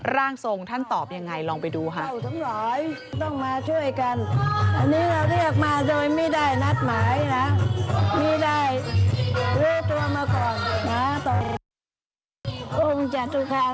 ร่างทรงท่านตอบยังไงลองไปดูค่ะ